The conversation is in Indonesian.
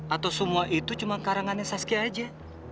atau semua itu cuma karangannya saskia saja